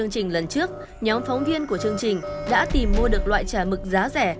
chân nhóm phóng viên của chương trình đã tìm mua được loại trà mực giá rẻ